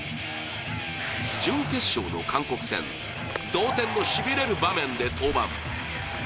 準決勝の韓国戦、同点のしびれる場面で登板。